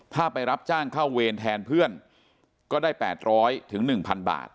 ถ้าไปรับจ้างเข้าเวรแทนเพื่อนก็ได้แปดร้อยถึงหนึ่งพันบาท